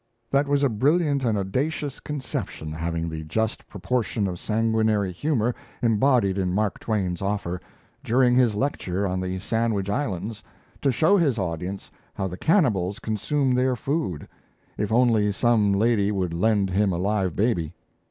That was a brilliant and audacious conception, having the just proportion of sanguinary humour, embodied in Mark Twain's offer, during his lecture on the Sandwich Islands, to show his audience how the cannibals consume their food if only some lady would lend him a live baby.